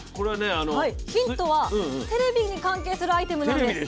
ヒントはテレビに関係するアイテムなんです！